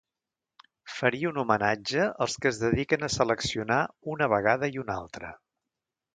Faria un homenatge als que es dediquen a seleccionar una vegada i una altra.